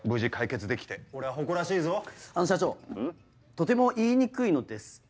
とても言いにくいのですが。